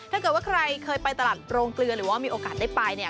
ถ้าเกิดว่าใครเคยไปตลาดโรงเกลือหรือว่ามีโอกาสได้ไปเนี่ย